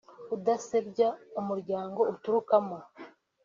udasebya umuryango uturukamo